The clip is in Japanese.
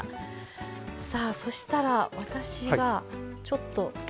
さあそしたら私はちょっと。